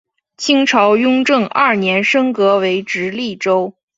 清朝雍正二年升格为直隶州。